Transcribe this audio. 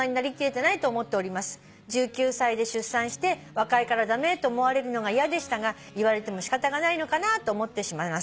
「１９歳で出産して若いから駄目と思われるのが嫌でしたが言われてもしかたがないのかなと思ってしまいます」